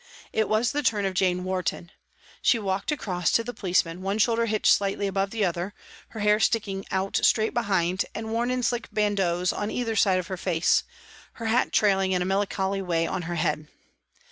It was the turn of Jane Warton. She walked across to the policeman, one shoulder hitched slightly above the other, her hair sticking out straight behind and worn in slick bandeaus on either side of her face, her hat trailing in a melancholy way on her head.